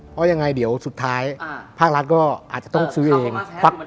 เพราะยังไงเดี๋ยวสุดท้ายภาครัฐก็อาจจะต้องซื้อเอง